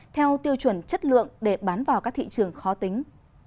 theo tiêu chuẩn chất lượng để bán vào các thị trường khó tính